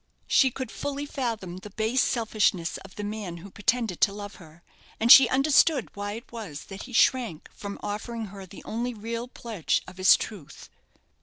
She could fully fathom the base selfishness of the man who pretended to love her, and she understood why it was that he shrank from offering her the only real pledge of his truth.